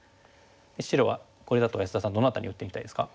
白はこれだと安田さんどの辺りに打ってみたいですか？